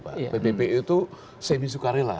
pbbu itu semi sukarela